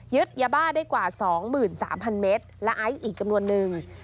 ยาบ้าได้กว่า๒๓๐๐เมตรและไอซ์อีกจำนวนนึง